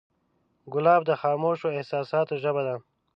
ګلاب د خاموشو احساساتو ژبه ده.